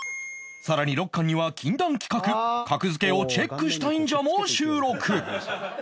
さらに６巻には禁断企画「格付けをチェックしたいんじゃ！！」も収録